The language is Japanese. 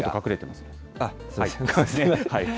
すみません。